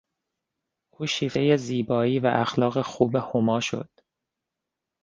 او شیفتهی زیبایی و اخلاق خوب هما شد.